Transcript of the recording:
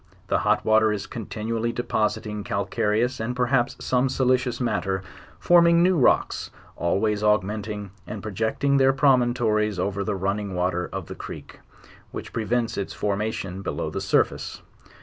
The hot water is continually depositing calcareous, and per haps, some silicious matter, forming new rocks, always aug> menting and projecting their promontories over the running water of the creek, which prevents its formation below the surface.